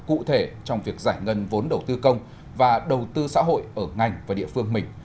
cụ thể trong việc giải ngân vốn đầu tư công và đầu tư xã hội ở ngành và địa phương mình